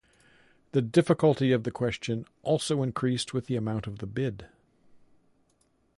The difficulty of the question also increased with the amount of the bid.